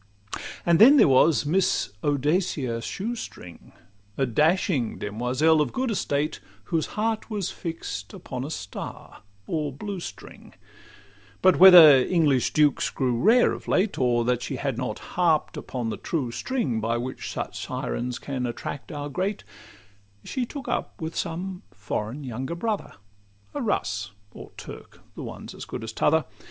And then there was the Miss Audacia Shoestring, A dashing demoiselle of good estate, Whose heart was fix'd upon a star or blue string; But whether English dukes grew rare of late, Or that she had not harp'd upon the true string, By which such sirens can attract our great, She took up with some foreign younger brother, A Russ or Turk—the one 's as good as t' other.